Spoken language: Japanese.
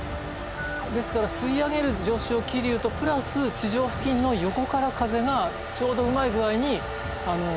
ですから吸い上げる上昇気流とプラス地上付近の横から風がちょうどうまい具合に巻くというかね